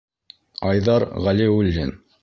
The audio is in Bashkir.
Айҙар ҒӘЛИУЛЛИН: